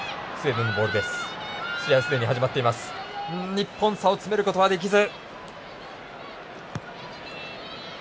日本差を詰めることはできず。